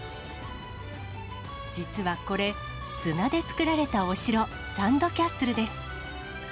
実はこれ、砂で作られたお城、サンドキャッスルです。